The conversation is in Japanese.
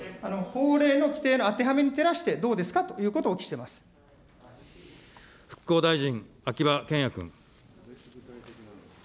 法令の規定の当てはめに照らしてどうですかということをお聞復興大臣、秋葉賢也君。